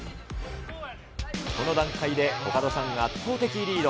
この段階でコカドさんが圧倒的リード。